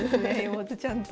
妹ちゃんと。